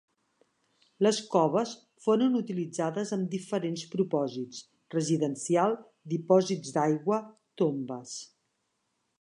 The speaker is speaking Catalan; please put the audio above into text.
Les coves foren utilitzades amb diferents propòsits: residencial, dipòsits d'aigua, tombes.